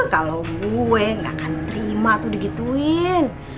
kalau gue gak akan terima tuh digituin